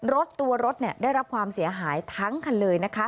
รถตัวรถได้รับความเสียหายทั้งคันเลยนะคะ